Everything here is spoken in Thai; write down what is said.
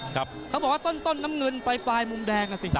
เขาบอกว่าต้นน้ำเงินปลายมุมแดง